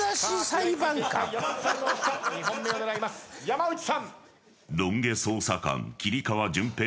山内さん。